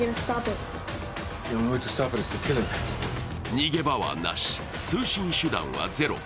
逃げ場はなし、通信手段はゼロ。